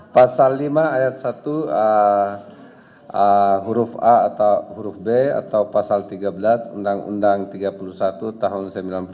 pasal lima ayat satu huruf a atau huruf b atau pasal tiga belas undang undang tiga puluh satu tahun seribu sembilan ratus sembilan puluh sembilan